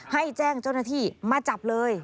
ให้แจ้งเจ้าหน้าที่มาจับเลย